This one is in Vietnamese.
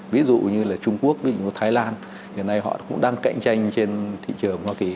ví dụ như là trung quốc thái lan hiện nay họ cũng đang cạnh tranh trên thị trường hoa kỳ